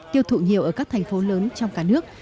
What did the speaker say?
tiêu thụ nhiều ở các thành phố lớn trong cả nước